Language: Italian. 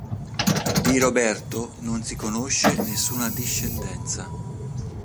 Di Roberto non si conosce nessuna discendenza